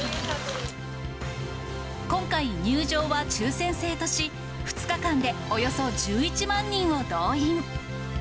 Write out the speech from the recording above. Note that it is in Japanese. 今回、入場は抽せん制とし、２日間でおよそ１１万人を動員。